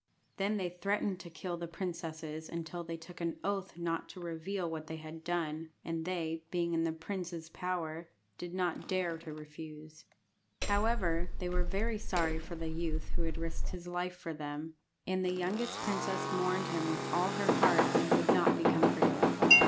Then they threatened to kill the princesses unless they took an oath not to reveal what they had done, and they, being in the princes' power, did not dare to refuse. However, they were very sorry for the youth who had risked his life for them, and the youngest princess mourned him with all her heart, and would not be comforted.